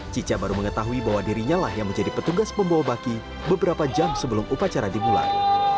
cica baru mengetahui bahwa dirinya lah yang menjadi petugas pembawa baki beberapa jam sebelum upacara dimulai